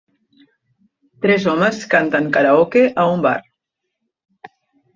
Tres homes canten karaoke a un bar.